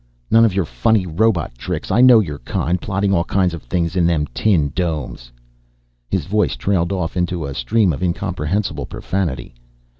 None of your funny robot tricks. I know your kind, plotting all kinds of things in them tin domes." His voice trailed off into a stream of incomprehensible profanity.